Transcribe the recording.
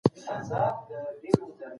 د اثر د خپرونکي مؤسسې نوم باید څرګند شي.